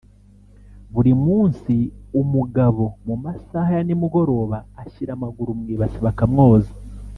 buri munsi umugabo mu masaha ya ni mugoroba ashyira amaguru mu ibasi bakamwoza